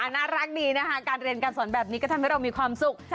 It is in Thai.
น่ารักดีนะคะการเรียนการสอนแบบนี้ก็ทำให้เรามีความสุข